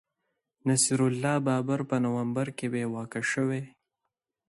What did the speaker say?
نصیر الله بابر په نومبر کي بې واکه شوی